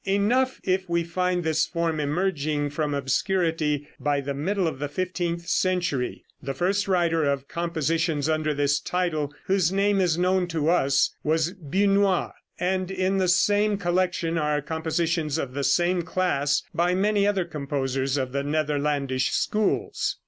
Enough if we find this form emerging from obscurity by the middle of the fifteenth century. The first writer of compositions under this title whose name is known to us was Busnois, and in the same collection are compositions of the same class by many other composers of the Netherlandish schools.